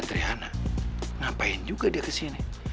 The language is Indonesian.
trihana ngapain juga dia ke sini